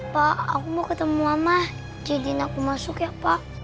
pak aku mau ketemu mama cijen aku masuk ya pak